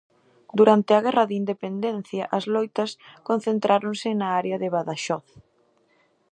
Durante a Guerra de Independencia as loitas concentráronse na área de Badaxoz.